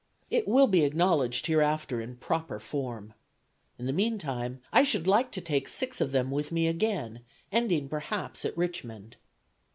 It will be acknowledged hereafter in proper form. In the meantime I should like to take six of them with me again, ending perhaps at Richmond."